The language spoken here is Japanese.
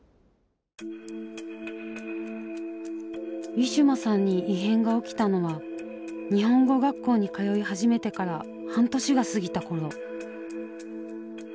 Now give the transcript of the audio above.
ウィシュマさんに異変が起きたのは日本語学校に通い始めてから半年が過ぎた頃。